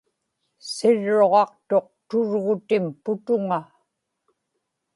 sirruġaqtuq tugrutim putuŋa